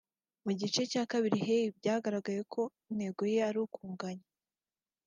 Mu gice cya kabiri Hey byagaragaraga ko intego ye ari ukunganya